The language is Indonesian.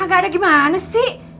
gak ada gimana sih